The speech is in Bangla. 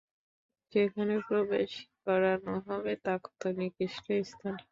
যেখানে প্রবেশ করানো হবে তা কত নিকৃষ্ট স্থান!